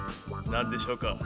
なんでしょうか？